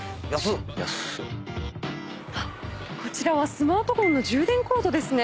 こちらはスマートフォンの充電コードですね。